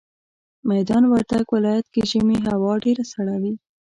ميدان وردګ ولايت کي ژمي هوا ډيره سړه وي